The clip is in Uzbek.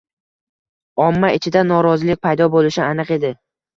– omma ichida norozilik paydo bo‘lishi aniq edi.